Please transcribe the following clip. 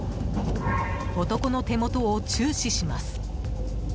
男の手元を注視します。